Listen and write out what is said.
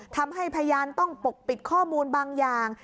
พยานต้องปกปิดข้อมูลบางอย่าง